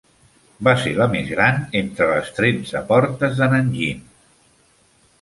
Va ser la més gran entre les tretze portes de Nanjing.